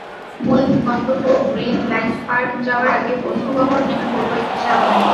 মূল গন্তব্য Green Land Park যাওয়ার আগে বন্ধুবহর নেমে পড়ল একটি চা-বাগানে।